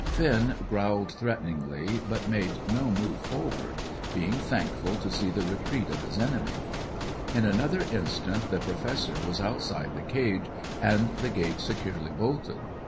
Finn growled threateningly, but made no move forward, being thankful to see the retreat of his enemy. In another instant the Professor was outside the cage, and the gate securely bolted.